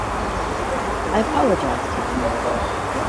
I apologize to them.